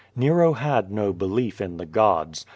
Nero had no belief in the gods.